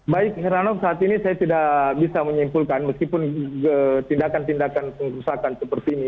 baik heranov saat ini saya tidak bisa menyimpulkan meskipun tindakan tindakan pengerusakan seperti ini